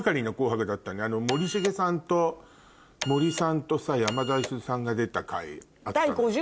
森繁さんと森さんと山田五十鈴さんが出た回あったの。